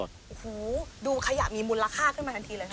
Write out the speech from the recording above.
โอ้โหดูขยะมีมูลค่าขึ้นมาทันทีเลยค่ะ